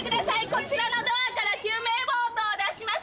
こちらのドアから救命ボートを出します。